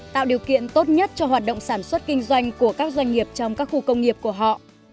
tạo điều kiện tốt nhất cho hoạt động sản xuất kinh doanh của các doanh nghiệp trong các khu công nghiệp của họ